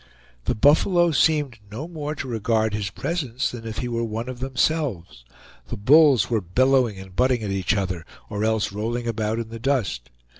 The buffalo seemed no more to regard his presence than if he were one of themselves; the bulls were bellowing and butting at each other, or else rolling about in the dust.